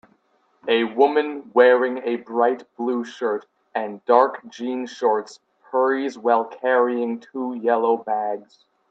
A woman wearing a bright blue shirt and dark jean shorts hurries while carrying two yellow bags.